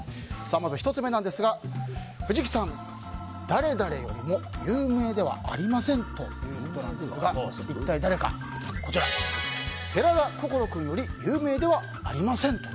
まず、１つ目なんですが藤木さん、誰々よりも有名ではありません！ということなんですが寺田心君より有名ではありません！と。